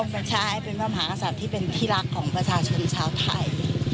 ผมชายเป็นมหาศัพท์ที่เป็นที่รักของประชาชนชาวไทย